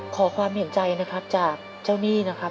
ขอความเห็นใจนะครับจากเจ้าหนี้นะครับ